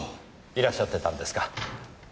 いらっしゃってたんですか。